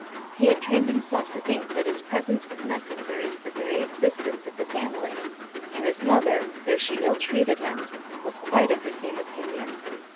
He had trained himself to think that his presence was necessary to the very existence of the family; and his mother, though she ill treated him, was quite of the same opinion.